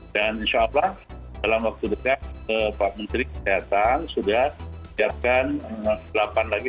dan insya allah dalam waktu dekat pak menteri kesehatan sudah siapkan delapan lagi